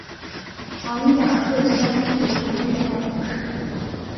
昂雅克香槟人口变化图示